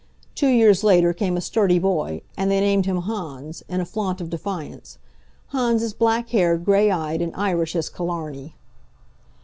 Two years later came a sturdy boy, and they named him Hans, in a flaunt of defiance. Hans is black haired, gray eyed and Irish as Killarny.